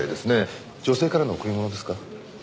女性からの贈り物ですか？